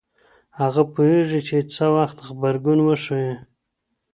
هغه پوهیږي چي څه وخت غبرګون وښيي.